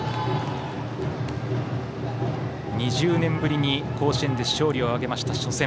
２０年ぶりに甲子園で勝利を挙げた初戦。